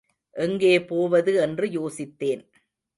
எங்கே போவது என்று யோசித்தேன்.